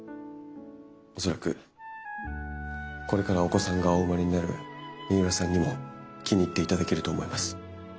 恐らくこれからお子さんがお生まれになる三浦さんにも気に入っていただけると思います。